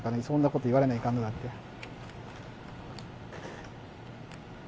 そんなこと言われないかんのだって。